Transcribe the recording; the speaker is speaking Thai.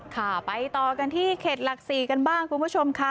ค่ะไปต่อกันที่เขตหลัก๔กันบ้างคุณผู้ชมค่ะ